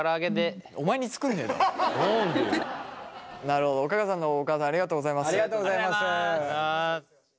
なるほどおかかさんのお母さんありがとうございます。